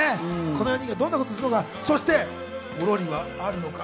この４人がどんなことするのか、そしてポロリはあるのか？